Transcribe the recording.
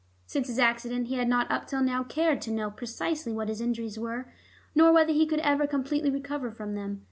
Since his accident he had not up till now cared to know precisely what his injuries were, nor whether he could ever completely recover from them.